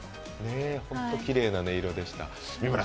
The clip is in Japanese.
ホントきれいな音色でした。